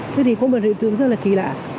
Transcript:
thế thì có một hệ thương rất là kỳ lạ